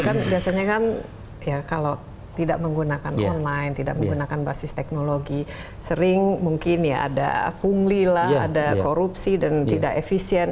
kan biasanya kan ya kalau tidak menggunakan online tidak menggunakan basis teknologi sering mungkin ya ada pungli lah ada korupsi dan tidak efisien